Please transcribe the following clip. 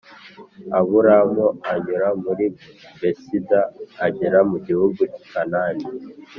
Aburamu anyura muri Besida agera mu gihugu cy’i Kanani